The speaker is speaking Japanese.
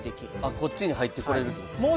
こっちに入ってこれるということですね。